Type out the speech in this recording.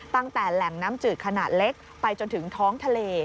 ตั้งแต่แหล่งน้ำจืดขนาดเล็กไปจนถึงท้องทะเล